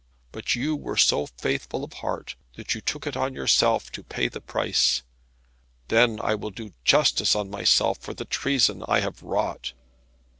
But you were so faithful of heart that you took it on yourself to pay the price. Then I will do justice on myself for the treason I have wrought."